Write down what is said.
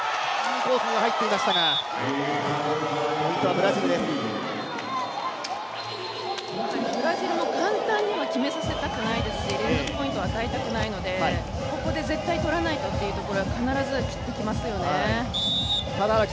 ブラジルも簡単には決めさせたくはないし連続ポイントを与えたくないのでここで絶対取らないとというところではきっちり切ってきますよね。